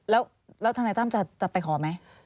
แล้วทางไหนตั้งจะไปขอไหม